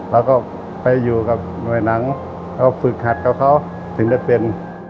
แล้วก็ไปอยู่กับหน่วยหนังเขาฝึกหัดกับเขาถึงจะเป็น